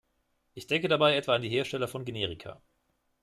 Ich denke dabei etwa an die Hersteller von Generika.